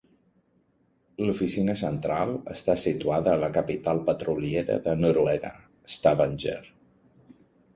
L'oficina central està situada a la capital petroliera de Noruega, Stavanger.